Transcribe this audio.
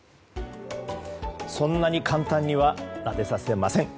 そんなに簡単にはなでさせません。